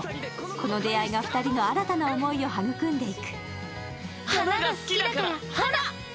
この出会いが２人の新たな思いを育んでいく。